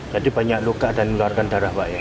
jadi banyak luka dan mengeluarkan darah pak ya